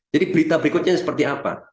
jadi berita berikutnya seperti apa